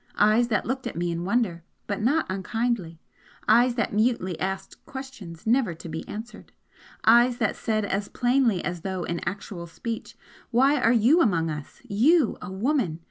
eyes that looked at me in wonder, but not unkindly eyes that mutely asked questions never to be answered eyes that said as plainly as though in actual speech "Why are you among us? you, a woman?